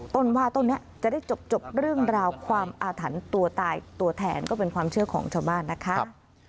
ต้นว่าต้นนี้จะได้จบเรื่องราวความอาถรรพ์ตัวตายตัวแทนก็เป็นความเชื่อของชาวบ้านนะคะ